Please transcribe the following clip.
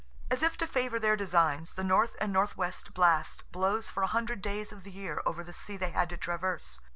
As if to favour their designs, the north and north west blast blows for a hundred days of the year over the sea they had to traverse.